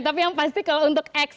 tapi yang pasti kalau untuk x